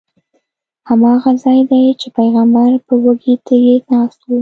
هماغه ځای دی چې پیغمبر به وږی تږی ناست و.